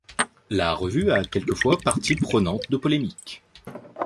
La revue a été quelquefois partie prenante de polémique.